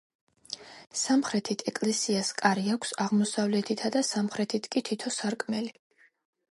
სამხრეთით ეკლესიას კარი აქვს, აღმოსავლეთითა და სამხრეთით კი თითო სარკმელი.